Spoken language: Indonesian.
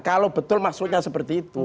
kalau betul maksudnya seperti itu